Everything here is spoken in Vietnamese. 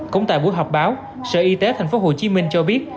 cũng tại buổi họp báo sở y tế thành phố hồ chí minh cho biết